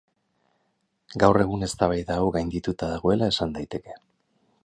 Gaur egun eztabaida hau gaindituta dagoela esan daiteke.